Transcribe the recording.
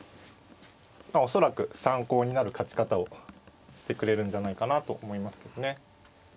恐らく参考になる勝ち方をしてくれるんじゃないかなと思いますけどね。